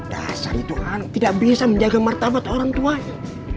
dasar itu kan tidak bisa menjaga martabat orang tuanya